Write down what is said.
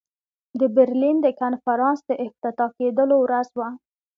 د برلین د کنفرانس د افتتاح کېدلو ورځ وه.